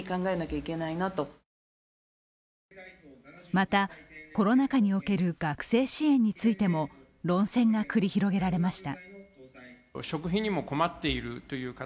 また、コロナ禍における学生支援についても論戦が繰り広げられました。